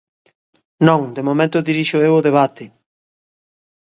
Non, de momento dirixo eu o debate.